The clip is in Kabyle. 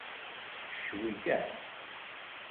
Cwi kan.